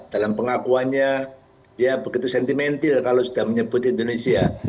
dalam pengakuannya dia begitu sentimental kalau sudah menyebut indonesia